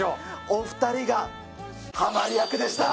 お２人がはまり役でした。